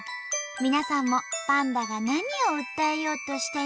皆さんもパンダが何を訴えようとしているのか考えてね。